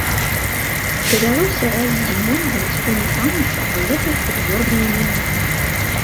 Давялося раз зімой гарадскому панічу паехаць у двор на імяніны.